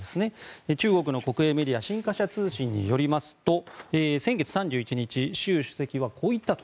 中国の国営メディア新華社通信によりますと先月３１日習主席はこう言ったと。